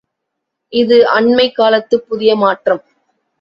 இது அண்மைக் காலத்துப் புதிய மாற்றம்.